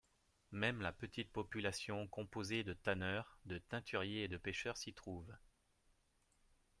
Même la petite population composée de tanneurs, de teinturiers et de pêcheurs s'y trouve.